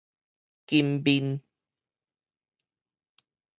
金面